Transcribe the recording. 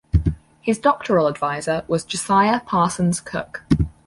His doctoral advisor was Josiah Parsons Cooke.